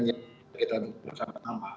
yang kita lakukan pertama